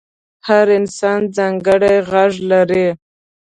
هر انسان ځانګړی غږ لري.